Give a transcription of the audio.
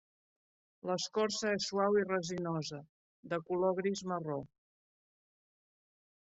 L'escorça és suau i resinosa de color gris-marró.